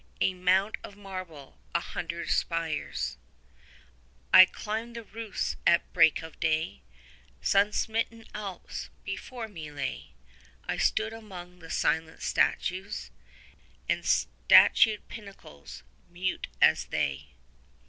A mount of marble, a hundred spires! 60 I climbed the roofs at break of day; Sun smitten Alps before me lay. I stood among the silent statues, And statued pinnacles, mute as they.